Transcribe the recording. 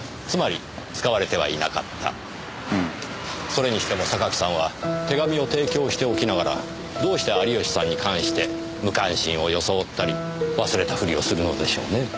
それにしても榊さんは手紙を提供しておきながらどうして有吉さんに関して無関心を装ったり忘れたふりをするのでしょうねえ？